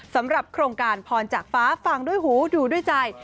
สำหรับโครงการพรจากฟ้าฟังด้วยหูดูด้วยใจ